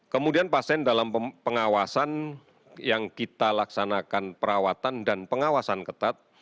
kemudian pasien dalam pengawasan yang kita laksanakan perawatan dan pengawasan ketat